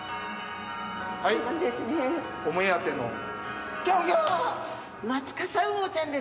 はいお目当ての。